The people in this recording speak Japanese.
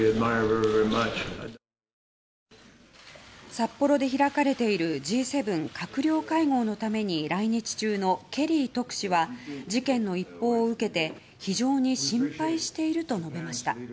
札幌で開かれているＧ７閣僚会合のために来日中のケリー特使は事件の一報を受けて非常に心配していると述べました。